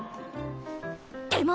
でも！